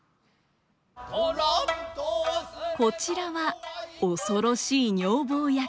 こちらは恐ろしい女房役。